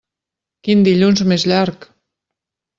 Quin dilluns més llarg!